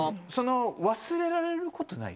忘れられることない？